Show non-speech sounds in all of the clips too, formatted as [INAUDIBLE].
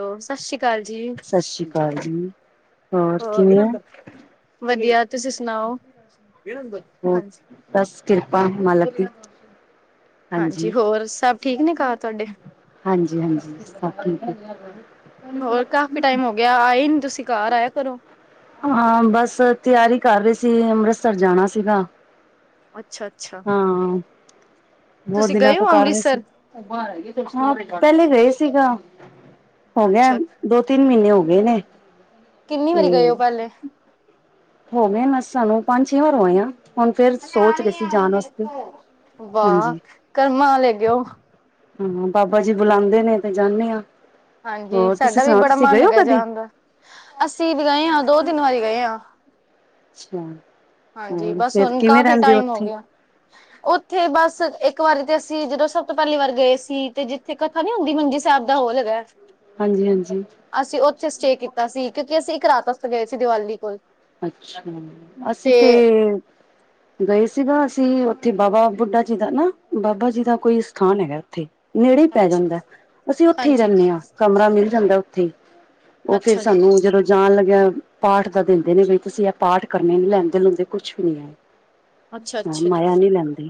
ਹੋਰ ਸਸ਼੍ਰੀ ਕਾਲ ਜੀ ਸਤਿ ਸ਼੍ਰੀ ਹਾਂਜੀ ਅਕਾਲ ਹਾਂਜੀ। ਜੀ, ਹੋਰ ਕਿਵੇਆਂ ਵਧੀਆ, ਤੁਸੀਂ ਸੁਨਾਓ? [UNINTELLIGIBLE] ਹੋ ਬਸ ਕਿਰਪਾ ਮਾਲਕ ਦੀ- ਹਾਂਜੀ- ਹੋਰ ਸਭ ਠੀਕ ਨੇ ਘਰ ਤੁਹਾਡੇ ਹਾਂਜੀ -ਹਾਂਜੀ ਸਬ ਠੀਕ- ਹੋਰ ਕਾਫ਼ੀ ਟਾਈਮ ਹੋ ਗਿਆ ਆਏ ਨੀ ਤੁਸੀ ਘਰ ਆਇਆ ਕਰੋ- ਹਾਂ ਬਸ ਤਿਆਰੀ ਕਰ ਰਹੇ ਸੀ ਅੰਮ੍ਰਿਤਸਰ ਜਾਣਾ ਸੀਗਾ- ਅੱਛਾ ਅੱਛਾ ਹਾਂ। ਬਹੁਤ ਤੁਸੀਂ ਦਿਨਾ ਗਏ ਤੋ ਹੋ ਕਰ ਰਹੇ ਸੀ ਅੰਮ੍ਰਿਤਸਰ ਹਾਂ ਪਹਿਲੇ ਗਏ ਸੀਗਾ- ਹੋ ਗਿਆ ਅੱਛਾ ਦੋ ਤਿਨ ਮਹੀਨੇ ਹੋ ਗਏ ਨੇ ਕਿੰਨੀ ਵਾਰੀ ਗਏ ਹੋ ਤੇ- ਪਹਿਲੇ ਹੋਵੇ ਸਾਨੂੰ ਪੰਜ ਛੇ ਵਾਰ ਹੋਏ ਆ ਹੁਣ ਫੇਰ ਸੋਚ ਰਹੇ ਸੀ ਜਾਣ ਵਾਸਤੇ- ਵਾਹ ਹਾਂਜੀ। ਕਰਮਾਂ ਵਾਲੇ ਹੈਗੇ ਓ- ਹਾਂ ਬਾਬਾ ਜੀ ਬੁਲਾਉਦੇ ਨੇ ਤੇ ਜਾਨੇ ਹਾਂ- ਹਾਂਜੀ ਹੋਰ ਤੁਸੀਂ ਸਾਡਾ ਵੀ ਸੁਣਾਓ ਬੜਾ ਤੁਸੀਂ ਮਨ ਗਏ ਹੋ ਹੈਗਾ ਕਦੀ? ਜਾਣ ਦਾ ਅਸੀ ਵੀ ਗਏ ਹਾਂ ਦੋ ਤਿਨ ਵਾਰੀ ਗਏ ਹਾਂ- ਅੱਛਾ ਹਾਂਜੀ ਹੋਰ ਬਸ ਫੇਰ ਹੁਣ ਕਿਵੇਂ ਕਾਫੀ ਰਹਿੰਦੇ ਟਾਈਮ ਹੋ ਉੱਥੇ? ਗਿਆ - ਉਥੇ ਬਸ ਇਕ ਵਾਰੀ ਤੇ ਅਸੀ ਜਦੋ ਸਭ ਤੋਂ ਪਹਿਲੀ ਵਾਰ ਗਏ ਸੀ ਤੇ ਜਿਥੇ ਕਥਾ ਨੀ ਹੁੰਦੀ ਮੰਜੀ- ਹੋਲ ਹੈਗਾ ਹਾਂਜੀ ਹਾਂਜੀ। ਅਸੀ ਉਥੇ ਸਟੇਅ ਕੀਤਾ ਸੀ ਕਿਉਕਿ ਅਸੀ ਇਕ ਰਾਤ ਵਾਸਤੇ ਗਏ ਸੀ ਦੀਵਾਲੀ ਕੋਲ- ਅੱਛਾ ਅਸੀ ਤੇ- ਗਏ ਸੀਗਾ ਅਸੀ ਉਥੇ ਬਾਬਾ ਬੁੱਢਾ ਜੀ ਦਾ ਨਾ ਬਾਬਾ ਜੀ ਦਾ ਕੋਈ ਸਥਾਨ ਹੈਗਾ ਉਥੇ- ਨੇੜੇ ਹੀ ਪੈ ਅੱਛਾ ਜਾਦਾ ਅਸੀ ਉਥੇ ਹੀ ਹਾਂਜੀ ਰਹਿਨੇ ਹਾਂ ਕਮਰਾ ਮਿਲ ਜਾਦਾ ਉਥੇ ਹੀ- ਉਹ ਫੇਰ ਅੱਛਾ ਜੀ ਸਾਨੂੰ ਜਦੋ ਜਾਣ ਲਗਿਆ ਪਾਠ ਦਾ ਦਿਨ- ਜਿਨੇ ਦਿਨ ਤੁਸੀ ਇਹ ਪਾਠ ਕਰਨੇ ਲੈਂਦੇ ਲੁੰਦੇ ਕੁਛ ਵੀ ਨੀ ਹੈ। ਅੱਛਾ ਹਾਂ ਅੱਛਾ ਜੀ ਮਾਆ ਨਹੀ ਲੈਂਦੇ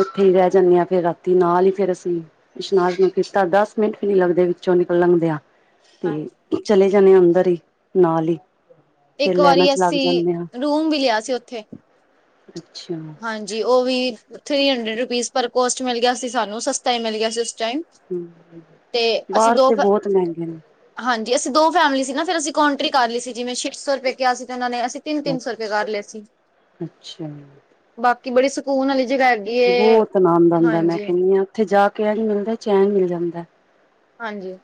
ਉਥੇ ਹੀ ਰਹਿ ਜਾਦੇ ਹਾਂ ਫੇਰ ਰਾਤੀ ਨਾਲ ਹੀ ਫੇਰ ਅਸੀ- ਇਸ਼ਨਾਨ ਨੂੰ ਕੀਤਾ ਦਸ ਮਿੰਟ ਵੀ ਨੀ ਲਗਦੇ ਵਿਚੋ ਨਿਕਲ ਲੰਗਦੇ ਆ- ਤੇ ਹਾਂਜੀ ਚਲੇ ਜਾਣੇ ਅੰਦਰ ਹੀ ਨਾਲ ਹੀ- ਫੇਰ ਇਕ ਲੈਣਾ ਵਾਰੀ ਚ ਅਸੀ ਰੂਮ ਵੀ ਲਿਆ ਸੀ ਉਥੇ- ਅਛਾ- ਹਾਂਜੀ ਉਹ ਵੀ ਥ੍ਰਰੀ ਹੰਡਰਡ ਰੁਪੀਜ ਪਰ ਕੋਸਟ ਮਿਲ ਗਿਆ ਸੀ ਸਾਨੂੰ ਸਸਤਾ ਹੀ ਮਿਲ ਗਿਆ ਸੀ ਉਸ ਟਾਈਮ- ਹ ਤੇ ਅਸੀਂ ਬਾਹਰ ਦੋ ਤੇ ਫ- ਬਹੁਤ ਮਹਿੰਗੇ ਨੇ- ਹਾਂਜੀ ਅਸੀ ਦੋ ਫੈਮਿਲੀ ਸੀ ਨਾ ਫਿਰ ਅਸੀ ਕੋਨਟਰੀ ਕਰ ਲਈ ਸੀ ਜਿ ਛੇ ਸੋ ਰੁਪਏ ਕਿਹਾ ਸੀ ਉਹਨਾ ਨੇ ਅਸੀ- ਅੱਛਾ ਅੱਛਾ ਬਾਕੀ ਬੜੀ ਸਕੂਨ ਵਾਲੀ ਜਗ੍ਹਾ- ਏ ਬਹੁਤ ਆਨੰਦ ਆਂਦਾ ਮੈ ਹਾਂਜੀ ਕਹਿਦੀ ਹਾਂ ਉਥੇ ਜਾ ਕੇ ਆ ਮਿਲਦਾ ਚੈਨ ਮਿਲ ਜਾਂਦਾ- ਹਾਂਜੀ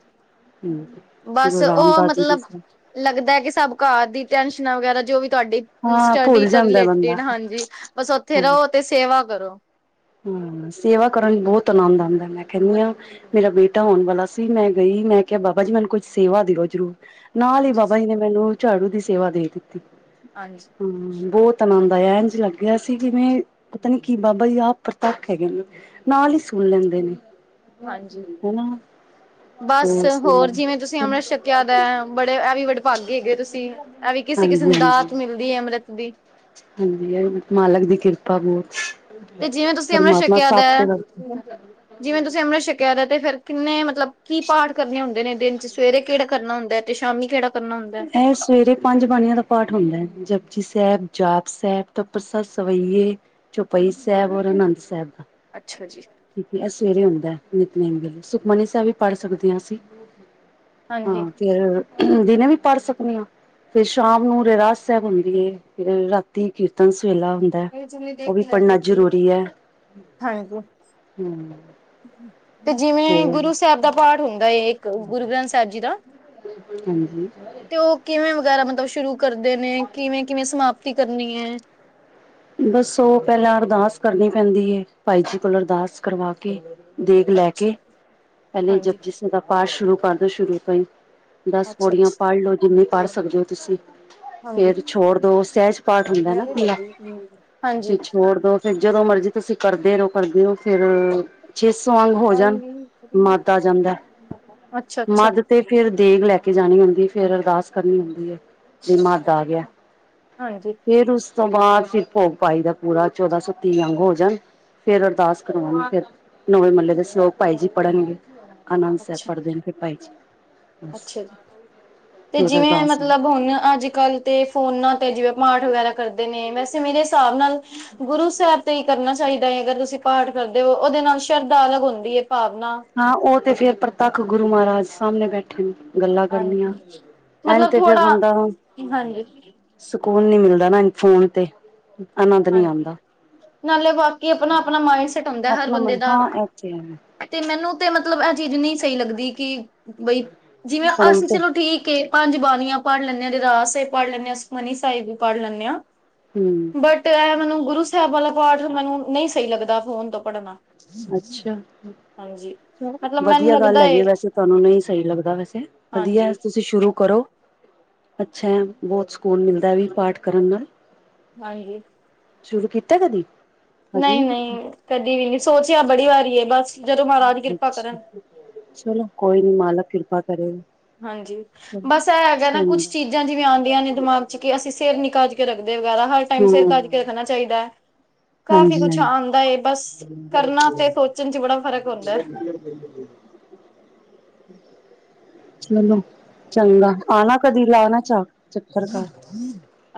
ਹੂੰ ਬਸ ਗੁਰੂ ਉਹ ਰਾਮਦਾਸ ਜੀ ਦੀ ਮਤਲਬ- ਲਗਦਾ ਕਿ ਸਭ ਘਰ ਦੀ ਟੈਨਸ਼ਨਾਂ ਵਗੈਰਾ ਜੋ ਵੀ ਤੁਹਾਡੀ- ਹੁਣ ਹਾਂ ਸਟੱਡੀ ਭੁੱਲ ਤੋ ਜਾਂਦਾ ਬੰਦਾ ਰਿਲੇਟਿਡ ਹਾਂਜੀ ਬਸ ਉਥੇ ਰਹੋ ਤੇ ਸੇਵਾ ਕਰੋ- ਹੂੰ ਸੇਵਾ ਕਰਨ ਲਈ ਬਹੁਤ ਆਨੰਦ ਆਉਦਾ ਮੈ ਕਹਿਦੀ ਹਾਂ- ਮੇਰਾ ਬੇਟਾ ਹੋਣ ਵਾਲਾ ਸੀ ਮੈ ਗਈ ਮੈ ਕਿਹਾ ਬਾਬਾ ਜੀ ਮੈਨੂੰ ਕੁਝ ਸੇਵਾ ਦਿਓ ਜਰੂਰ- ਨਾਲ ਹੀ ਹਾਂਜੀ ਬਾਬਾ ਜੀ ਨੇ ਮੈਨੂੰ ਝਾੜੂ ਦੀ ਸੇਵਾ ਦੇ ਦਿਤੀ- ਹਾਂਜੀ- ਹਾਂ ਬਹੁਤ ਆਨੰਦ ਆਇਆ ਇੰਝ ਲਗਿਆ ਸੀ ਕਿਵੇ ਪਤਾ ਨੀ ਕੀ ਬਾਬਾ ਜੀ ਆਪ- ਪ੍ਰਤੱਖ ਹੈਗੇ ਨੇ ਨਾਲ ਹੀ ਸੁਣ ਲੈਂਦੇ ਨੇ ਹਾਂਜੀ ਹਨਾ- ਬਸ ਹੋਰ ਜਿਵੇ ਤੁਸੀ ਅੰਮ੍ਰਿਤ ਸ਼ਕਿਆ ਦਾ ਬੜੇ ਐਵੀ ਵਡਭਾਗੇ ਹੈਗੇ ਤੁਸੀ- ਐਵੀ ਕਿਸੇ ਕਿਸੀ ਹਾਂਜੀ ਨੂੰ ਦਾਤ ਮਿਲਦੀ ਹੈ। ਅੰਮ੍ਰਿਤ ਦੀ- ਹਾਂਜੀ ਮਾਲਕ ਦੀ ਕਿਰਪਾ ਤੇ ਬਹੁਤ- ਜਿਵੇਂ ਤੁਸੀਂ ਪਰਮਾਤਮਾ ਸੱਬ ਤੇ ਵਰ- ਜਿਵੇ ਤੁਸੀ ਅੰਮ੍ਰਿਸ਼ ਛਕੇਆ ਫਿਰ ਕਿਨੇ ਮਤਲਬ ਕੀ ਪਾਠ ਕਰਨੇ ਹੁੰਦੇ ਨੇ ਦਿਨ 'ਚ- ਸਵੇਰੇ ਕਿਹੜਾ ਕਰਨਾ ਹੁੰਦਾ ਹੈ। ਤੇ ਸ਼ਾਮੀ ਕਿਹੜਾ- ਕਰਨਾ ਹੁੰਦਾ ਇਹ ਸਵੇਰੇ- ਪੰਜ ਬਾਣੀਆਂ ਦਾ ਪਾਠ ਹੁੰਦਾ ਹੈ। ਜਪਜੀ ਸਾਹਿਬ ਜਾਪ ਸਾਹਿਬ ਤਵ ਪ੍ਰਸਾ ਸਵਈਏ- ਛੋਪਈ ਸਾਹਿਬ ਔਰ ਆਨੰਦ ਸਾਹਿਬ ਦਾ- ਅੱਛਾ ਜੀ ਠੀਕ ਹੈ ਇਹ ਸਵੇਰੇ ਆਉਂਦਾ ਹੈ ਨਿਤਨੇਮ ਸੁਖਮਨੀ ਸਾਹਿਬ ਵੀ ਪੜ੍ਹ ਸਕਦੇ ਹਾਂ ਅਸੀਂ ਹਾਂਜੀ ਹਾਂ ਫਿਰ ਦਿਨੇ ਵੀ ਪੜ੍ਹ ਸਕਦੇ ਆ ਤੇ ਸ਼ਾਮ ਨੂੰ ਰਹਿਰਾਸ ਸਾਹਿਬ ਹੁੰਦੀ ਹ ਰਾਤੀ ਕੀਰਤਨ ਸੋਹਿਲਾ ਉਹ ਵੀ ਪੜ੍ਹਨਾ ਜ਼ਰੂਰੀ ਹੈ ਹਾਂਜੀੋ ਹਮ ਤੇ ਜਿਵੇਂ ਗੁਰੂ ਸਾਹਿਬ ਦਾ ਪਾਠ ਹੁੰਦਾ ਹੈ ਇੱਕ ਗੁਰੂ ਗ੍ਰੰਥ ਸਾਹਿਬ ਜੀ ਦਾ। ਹਾਂਜੀ ਤੇ ਉਹ ਕਿਵੇਂ ਵਗੈਰਾ ਮਤਲਬ ਸ਼ੁਰੂ ਕਰਦੇ ਨੇ ਕਿਵੇਂ ਕਿਵੇਂ ਸਮਾਪਤੀ ਕਰਨੀ ਹੈ ਬਸ ਉਹ ਪਹਿਲਾਂ ਅਰਦਾਸ ਕਰਨੀ ਪੈਂਦੀ ਹੈ ਭਾਈ ਜੀ ਕੋਲ ਅਰਦਾਸ ਕਰਵਾ ਕੇ। ਦੇਗ ਲੈ ਕੇ ਅੱਛਾ ਪਹਿਲੇ ਹਾਂਜੀ ਜਪ ਜੀ ਸਾਹਿਬ ਦਾ ਪਾਠ ਸ਼ੁਰੂ ਕਰਦੋ ਸ਼ੁਰੂ ਤੋਂ ਹੀ ਦਸ ਅੱਛਾ ਪੌੜੀਆਂ ਅੱਛਾ ਪੜ੍ਹ ਲਓ ਜਿੰਨੀ ਪੜ੍ਹ ਸਕਦੇ ਹੋ ਤੁਸੀਂ ਹਾਂਜੀ ਫੇਰ ਛੋੜ ਦੋ ਸਹਿਜ ਪਾਠ ਹੁੰਦਾ ਨਾ ਖੁੱਲਾ ਹਮ ਵੀ ਛੋੜ ਦੋ ਫੇਰ ਜਦੋਂ ਮਰਜੀ ਤੁਸੀਂ ਕਰਦੇ ਰਹੋ ਕਰਦੇ ਹੋ ਫੇਿਰ ਛੇ ਸੌ ਅੰਗ ਮੱਧ ਆ ਜਾਂਦਾ ਅੱਛਾ ਅੱਛਾ ਮੱਧ ਤੇ ਫੇਿਰ ਦੇਗ ਲੈ ਕੇ ਜਾਣੀ ਹੁੰਦੀ ਫਰ ਅਰਦਾਸ ਕਰਨੀ ਹੁੰਦੀ ਹੈ ਜੇ ਮਦ ਆ ਗਿਆ ਹਾਂਜੀ ਫੇਰ ਉਸ ਤੋਂ ਬਾਅਦ ਫਿਰ ਭੋਗ ਪਾਈ ਦਾ ਪੂਰਾ ਚੌਦਾਂ ਸੌ ਤੀਹ ਅੰਗ ਹੋ ਜਾਣ ਫਿਰ ਅਰਦਾਸ ਕਰਵਾਾਂਗੇ ਫਿਰ ਨੋਵੇਂ ਮਹੱਲੇ ਦੇ ਸਲੋਕ ਭਾਈ ਜੀ ਪੜ੍ਹਨਗੇ। ਅਨੰਦ ਸਾਹਿਬ ਅੱਛਾ ਪੜ ਦਿੰਦੇ ਨੇ ਭਾਈ ਜੀ। ਬਸ ਅੱਛਾ ਜੀ ਤੇ ਫਿਰ ਜਿਵੇਂ ਅਰਦਾਸ ਮਤਲਬ ਹੁਣ ਅੱਜ ਕੱਲ੍ਹ। ਤੇ ਫੋਨਾ ਤੇ ਜਿਵੇਂ ਪਾਠ ਵਗੈਰਾ ਕਰਦੇ ਨੇ ਵੈਸੇ ਮੇਰੇ ਹਿਸਾਬ ਨਾਲ ਗੁਰੂ ਸਾਹਿਬ ਤੇ ਹੀ ਕਰਨਾ। ਚਾਹੀਦਾ ਹੈ ਅਗਰ ਤੁਸੀਂ ਪਾਠ ਕਰਦੇ ਹੋ ਉਹਦੇ ਨਾਲ ਸ਼ਰਧਾ ਅਲਗ ਹੁੰਦੀ ਹੈ ਭਾਵਨਾ। ਹਾਂ ਉਹ ਤੇ ਫੇਿਰ ਪ੍ਰਤੱਖ ਗੁਰੂ ਮਹਾਰਾਜ ਸਾਹਮਣੇ ਬੈਠੇ। ਗੱਲਾਂ ਹਾਂਜੀ ਕਰਨੀਆਂ ਐ ਮਤਲਬ ਤੇ ਫਰ ਥੋੜਾ ਬੰਦਾ ਹਾਂਜੀ ਸਕੂਨ ਨੀ ਮਿਲਦਾ ਨਾ ਫੋਨ ਤੇ ਆਨੰਦ ਨਹੀਂ ਹਾਂਜੀ ਆਉਂਦਾ। ਨਾਲੇ ਬਾਕੀ ਆਪਣਾ ਆਪਣਾ ਮਾਈੰਡਸੈਟ ਹੁੰਦਾ ਹੈ ਹਰ ਆਪਣਾ ਬੰਦੇ ਮਨ ਦਾ। ਹਾਂ ਇਹ ਤੇ ਹੈ ਤੇ ਮੈਨੂੰ ਤੇ ਮਤਲਬ ਇਹ ਚੀਜ਼ ਨਹੀਂ ਸਹੀ ਲੱਗਦੀ ਕਿ। ਬਈ ਜਿਵੇਂ ਫੋਨ ਅਸੀਂ ਤੇ ਚਲੋ ਠੀਕ ਏ। ਪੰਜ ਬਾਣੀਆਂ ਪੜ ਲੈਂਦੇ ਹਾਂ ਰਹਿਰਾਸ ਸਾਹਿਬ ਪੜ੍ਹ ਲੈਂਦੇ ਆ ਸੁਖਮਨੀ ਸਾਹਿਬ ਵੀ ਪੜ੍ਹ ਲੈਂਦੇ ਹਾਂ। ਹਮ ਤੇ ਇ ਮੈਨੂੰ ਗੁਰੂ ਸਾਹਿਬ ਵਾਲਾ ਪਾਠ ਮੈਨੂੰ ਨਹੀਂ ਸਹੀ ਲੱਗਦਾ ਫੋਨ ਤੋਂ ਪੜਨਾ ਅੱਛਾ ਹਾਂਜੀ ਮਤਲਬ ਮੈਨੂੰ ਵਧੀਆ ਗੱਲ ਲੱਗਦਾ ਹੈਗੀ ਏ ਵੈਸੇ ਤੁਹਾਨੂੰ ਨਹੀਂ ਸਹੀ ਲੱਗਦਾ ਵੈਸੇ। ਵਧੀਆ ਹਾਂਜੀ ਤੁਸੀਂ ਸ਼ੁਰੂ ਕਰੋ। ਅੱਛਾ ਹੈ ਬਹੁਤ ਸਕੂਨ ਮਿਲਦਾ ਵੀ ਪਾਠ ਕਰਨ ਨਾਲ। ਹਾਂਜੀ ਸ਼ੁਰੂ ਕੀਤਾ ਕਦੀ? ਹਜੇ ਨਹੀਂ ਕੀਤਾ। ਨਹੀਂ-ਨਹੀਂ, ਕਦੀ ਵੀ ਨਹੀਂ ਸੋਚਿਆ ਬੜੀ ਵਾਰੀ, ਬਸ ਜਦੋਂ ਮਹਾਰਾਜ ਕਿਰਪਾ ਅੱਛਾ ਕਰਨ। ਚਲੋ ਕੋਈ ਨੀ, ਮਾਲਕ ਕਿਰਪਾ ਕਰੇਗਾ। ਹਾਂਜੀ। ਚਲੋ। ਬਸ ਇਹ ਹੈਗਾ ਨਾ ਕੁਛ ਚੰਗਾ ਚੀਜ਼ਾਂ ਜਿਵੇਂ ਆਂਦੀਆਂ ਨੇ ਦਿਮਾਗ ਚ ਕਿ ਅਸੀਂ ਸਿਰ ਨੀ ਕਜ ਕੇ ਰੱਖਦੇ ਵਗੈਰਾ ਹਰ ਟਾਈਮ ਸਿਰ ਹੂੰ ਕਜ ਕੇ ਰੱਖਣਾ ਚਾਹੀਦਾ ਹੈ, ਕਾਫ਼ੀ ਹਾਂਜੀ ਕੁੱਛ ਹਾਂਜੀ ਆਉਂਦਾ ਹੈ ਬਸ। ਕਰਨਾ ਤੇ ਸੋਚਣ ਚ ਬੜਾ ਫ਼ਰਕ ਹੁੰਦਾ ਏ। ਬਿਲਕੁਲ -ਬਿਲਕੁਲ। [UNINTELLIGIBLE] ਚਲੋ ਚੰਗਾ ਆਨਾ ਕਦੀ, ਲਾਨਾ ਚ ਚੱਕਰ ਘਰ।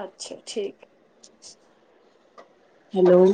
ਅੱਛਾ, ਠੀਕ ਏ। ਹੈਲੋ।